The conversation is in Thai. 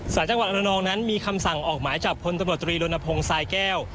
สารจังหวัดอรนองนั้นมีคำสั่งออกหมายจับพลตำรวจตรีรณพงศ์สายแก้ว